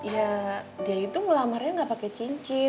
ya dia itu ngelamarnya engga pake cincin